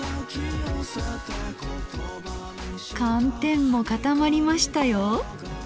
寒天も固まりましたよ。